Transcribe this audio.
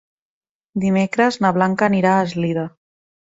Dimecres na Blanca anirà a Eslida.